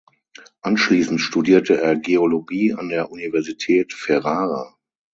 Anschließend studierte er Geologie an der Universität Ferrara.